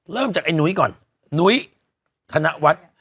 เริ่มจากไอ้นุ้ยก่อนนุ้ยธนวัฒน์